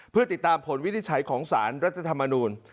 เพื่อติดตามผลวินิจฉัยของสารรัฐธรรมนูล